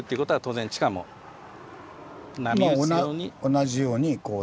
同じようにこうなる。